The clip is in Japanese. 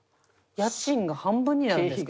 家賃が半分になるんですから。